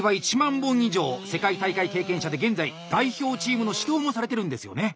世界大会経験者で現在代表チームの指導もされてるんですよね？